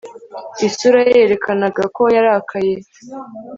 Isura ye yerekanaga ko yarakaye